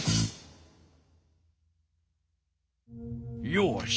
よし。